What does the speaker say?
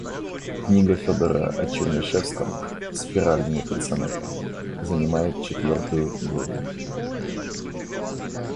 Книга Федора о Чернышевском, - спираль внутри сонета, - занимает четвертую главу.